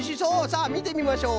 さあみてみましょう。